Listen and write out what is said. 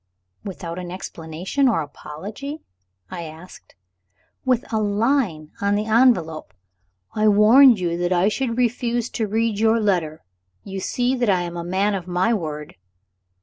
"Without explanation or apology?" I asked. "With a line on the envelope. 'I warned you that I should refuse to read your letter. You see that I am a man of my word.'